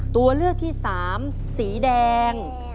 ตัวเลือกที่สามสีแดง